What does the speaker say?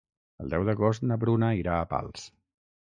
El deu d'agost na Bruna irà a Pals.